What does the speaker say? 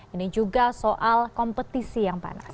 ini juga soal kompetisi yang panas